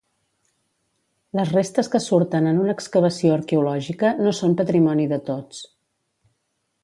Les restes que surten en una excavació arqueològica no són patrimoni de tots.